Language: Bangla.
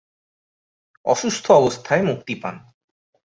অসুস্থ অবস্থায় মুক্তি পান।